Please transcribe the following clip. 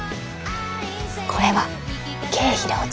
これは経費で落ちます。